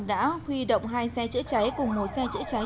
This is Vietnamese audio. đã huy động hai xe chữa cháy cùng một xe chữa cháy